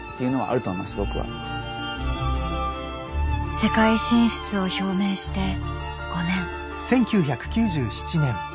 世界進出を表明して５年。